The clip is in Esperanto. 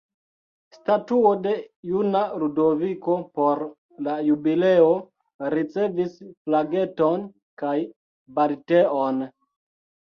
Statuo de juna Ludoviko por la jubileo ricevis flageton kaj balteon.